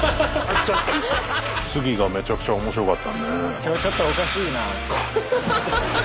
今日ちょっとおかしいなって。